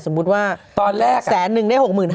สมมุติว่า๑๐๐๐๐๐หนึ่งได้๖๕๐๐๐บาท